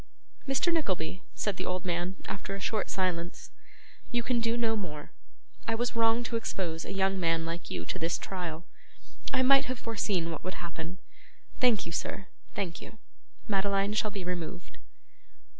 'Mr. Nickleby,' said the old man, after a short silence, 'you can do no more. I was wrong to expose a young man like you to this trial. I might have foreseen what would happen. Thank you, sir, thank you. Madeline shall be removed.